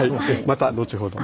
また後ほど。